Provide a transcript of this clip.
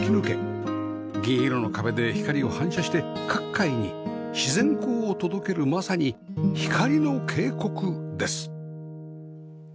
銀色の壁で光を反射して各階に自然光を届けるまさに光の渓谷です